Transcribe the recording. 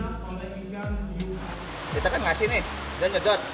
kita kan ngasih nih dan ngedot